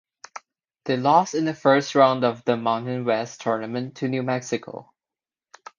They lost in the first round of the Mountain West Tournament to New Mexico.